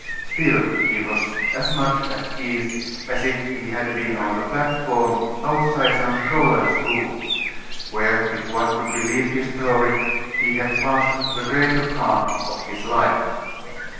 Still, he was as much at ease as if he had been on the platform outside some stroller's booth, where, if one could believe his story, he had passed the greater part of his life.